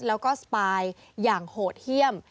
แล้วก็สปายอย่างโหดเยี่ยม